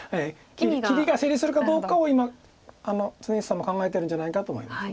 切りが成立するかどうかを今常石さんも考えてるんじゃないかと思います。